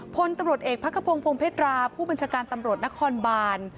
พลตำรวจเอกพักขพงศพงเพตราผู้บัญชาการตำรวจนครบาน